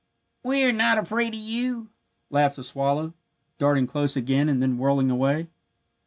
"We are not afraid of you!" laughed the swallow, darting close again and then whirling away.